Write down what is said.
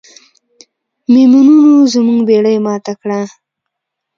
میمونونو زموږ بیړۍ ماته کړه.